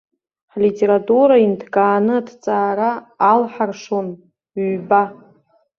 Ҳлитература инҭкааны аҭҵаара алҳаршон, ҩба.